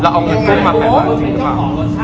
เราเอาเงินปุ๊บมา๘ล้านจริงหรือเปล่า